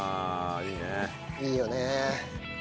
いいよね。